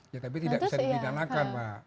ya tapi tidak bisa dibidanakan pak